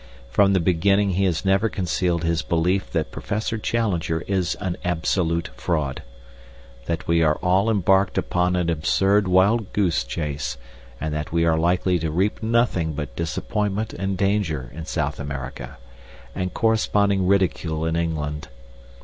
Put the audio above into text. From the beginning he has never concealed his belief that Professor Challenger is an absolute fraud, that we are all embarked upon an absurd wild goose chase and that we are likely to reap nothing but disappointment and danger in South America, and corresponding ridicule in England.